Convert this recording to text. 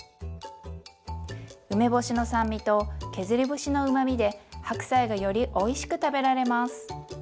梅干しの酸味と削り節のうまみで白菜がよりおいしく食べられます。